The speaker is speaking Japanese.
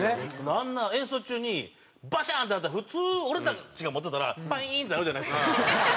あんな演奏中にバシャーン！ってなったら普通俺たちが持ってたらパイーンってなるじゃないですか。